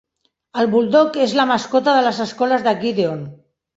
El buldog és la mascota de les escoles de Gideon.